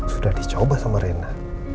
sudah dicoba sama rena